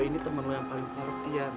gue ini temen lo yang paling pengetian